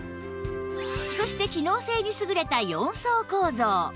そして機能性に優れた４層構造